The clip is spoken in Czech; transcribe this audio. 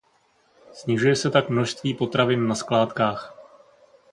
Snižuje se tak množství potravin na skládkách.